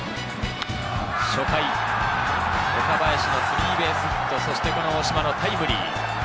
初回、岡林のスリーベースヒット、そして大島のタイムリー。